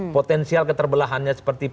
potensial keterbelahannya seperti apa